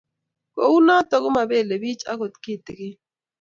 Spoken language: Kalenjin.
Ko u noto ko mapelepich akot kitikin.